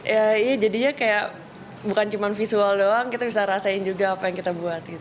ya iya jadinya kayak bukan cuma visual doang kita bisa rasain juga apa yang kita buat gitu